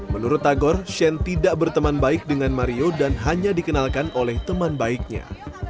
menurut tagor shane tidak berteman baik dengan mario dan hanya dikenalkan oleh teman baiknya